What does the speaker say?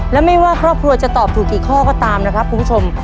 และไม่ว่าครอบครัวจะตอบถูกกี่ข้อก็ตามนะครับคุณผู้ชม